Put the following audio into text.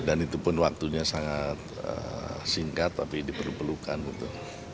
dan itu pun waktunya sangat singkat tapi diperlukan gitu